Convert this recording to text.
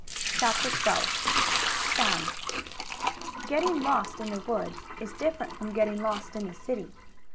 CHAPTER XII FOUND Getting lost in the woods is different from getting lost in the city.